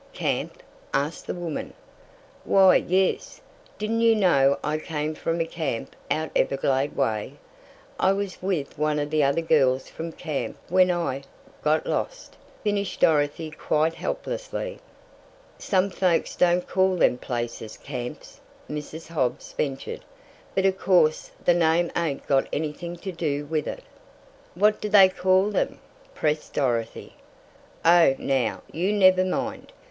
"Camp?" asked the woman. "Why, yes. Didn't you know I came from a camp out Everglade way? I was with one of the other girls from camp when I got lost," finished Dorothy quite helplessly. "Some folks don't call them places 'camps,'" Mrs. Hobbs ventured. "But of course the name ain't got anything to do with it." "What do they call them?" pressed Dorothy. "Oh, now, you never mind.